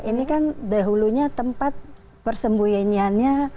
ini kan dahulunya tempat persembunyiannya